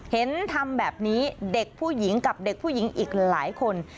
เห็นทำแบบนี้เด็กผู้หญิงกับเด็กผู้หญิงอีกหลายคน